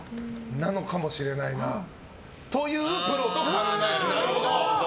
なのかもしれないな。というプロと考えています。